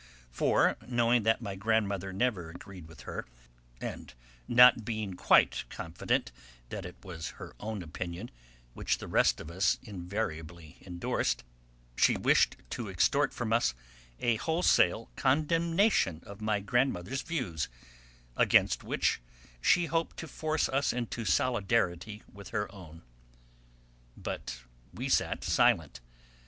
For, knowing that my grandmother never agreed with her, and not being quite confident that it was her own opinion which the rest of us invariably endorsed, she wished to extort from us a wholesale condemnation of my grandmother's views, against which she hoped to force us into solidarity with her own. But we sat silent.